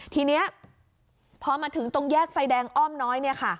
ทีนี้พอมาถึงตรงแยกไฟแดงอ้อมน้อย